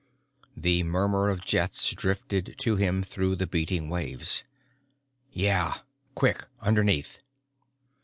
The murmur of jets drifted to him through the beating waves. "Yeah. Quick underneath!"